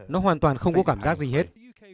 nó hoàn toàn không có cảm giác gì hết